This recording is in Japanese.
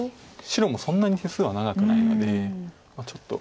白もそんなに手数は長くないのでちょっと。